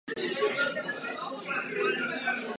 Nabízí komplexní služby v oblasti výzkumu trhu.